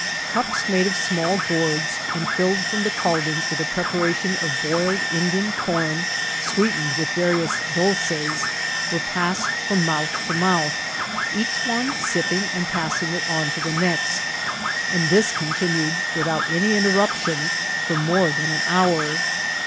Cups made of small gourds, and filled from the caldrons with a preparation of* boiled Indian com sweetened with va rious dolceij were passed from mouth to mouth, each one sipping and passing it on to the next ; and this con* tinuedi without any interruption, for more than an hour.